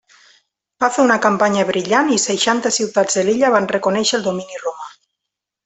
Va fer una campanya brillant i seixanta ciutats de l’illa van reconèixer el domini romà.